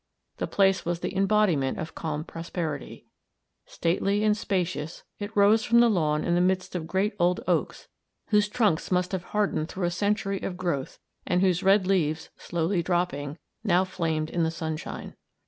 The place was the embodiment of calm prosperity. Stately and spacious it rose from the lawn in the midst of great old oaks whose trunks must have hardened through a century of growth, and whose red leaves, slowly dropping, now flamed in the sunshine.